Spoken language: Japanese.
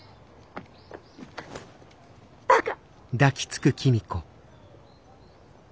バカ！